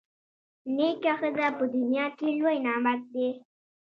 نېکه ښځه په دنیا کي لوی نعمت دی.